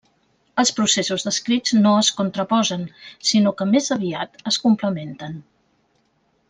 Els processos descrits no es contraposen sinó que més aviat es complementen.